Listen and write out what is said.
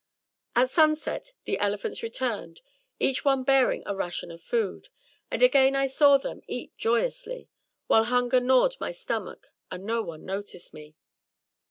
At sunset the elephants returned, each one bearing a ration of food; and again I saw them eat joyously, while hunger gnawed my stomach and no one noticed me.